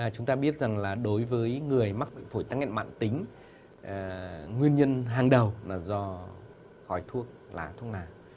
chúng ta biết rằng là đối với người mắc bệnh phổi tắc nghén mạng tính nguyên nhân hàng đầu là do hỏi thuốc lá thuốc nào